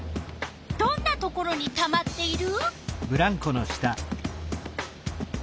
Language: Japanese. どんなところにたまっている？